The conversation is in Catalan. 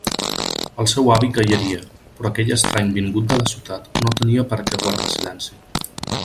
El seu avi callaria, però aquell estrany vingut de la ciutat no tenia per què guardar silenci.